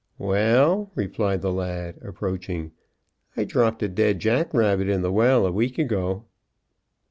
"Well," replied the lad, approaching, "I dropped a dead jackrabbit in the well a week ago."